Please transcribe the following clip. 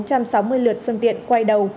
hơn năm bốn trăm sáu mươi lượt phương tiện quay đầu